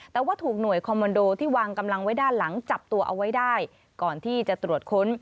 แต่ว่าถูกหน่วยคอมมันโดที่วางกำลังไว้ด้านหลังจับตัวเอาไว้ได้ก่อนที่จะตรวจค้น